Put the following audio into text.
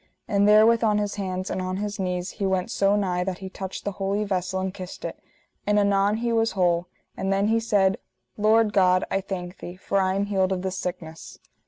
And therewith on his hands and on his knees he went so nigh that he touched the holy vessel and kissed it, and anon he was whole; and then he said: Lord God, I thank thee, for I am healed of this sickness.